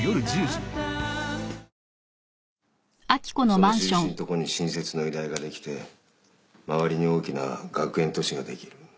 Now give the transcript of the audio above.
その印のとこに新設の医大ができて周りに大きな学園都市ができる。